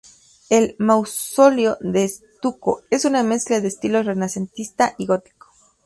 El mausoleo de estuco es una mezcla de estilos renacentista y gótico.